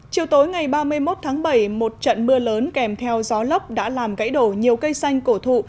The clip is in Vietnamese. chiều tối ngày ba mươi một tháng bảy một trận mưa lớn kèm theo gió lốc đã làm gãy đổ nhiều cây xanh cổ thụ